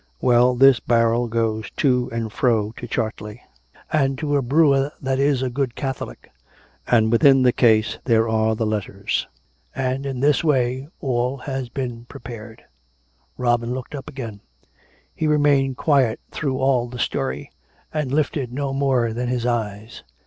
Well, this barrel goes to and fro to Chartley and to a brewer that is a good Catholic; and within the case there are the letters. And in this way, all has been prepared " COME RACK! COME ROPE! 269 Robin looked up again. He remained quiet through all the story; and lifted no more than his eyes.